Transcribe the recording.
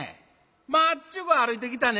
まっちゅぐ歩いてきたね。